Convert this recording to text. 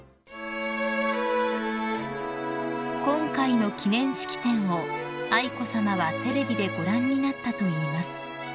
［今回の記念式典を愛子さまはテレビでご覧になったといいます］